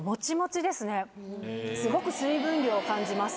すごく水分量感じます